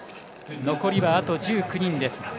残りはあと１９人です。